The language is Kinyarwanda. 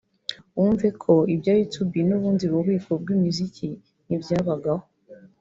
wumve ko ibya YouTube n’ubundi bubiko bw’umuziki ntibyabagaho